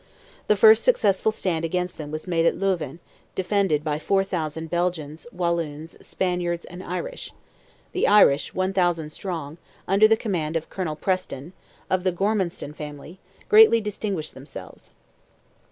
The first successful stand against them was made at Louvain, defended by 4,000 Belgians, Walloons, Spaniards and Irish; the Irish, 1,000 strong, under the command of Colonel Preston, of the Gormanstown family, greatly distinguished themselves.